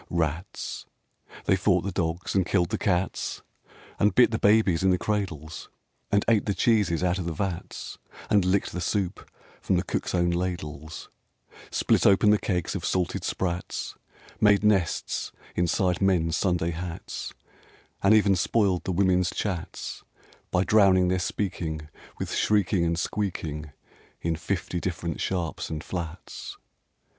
II Rats! They fought the dogs and killed the cats And bit the babies in the cradles, I 109 ] RAINBOW GOLD And ate the cheeses out of the vats, And licked the soup from the cook's own ladles, Split open the kegs of salted sprats, Made nests inside men's Sunday hats, And even spoiled the women's chats By drowning their speaking With shrieking and squeaking In fifty different sharps and flats.